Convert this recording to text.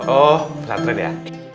oh mau ngantre dia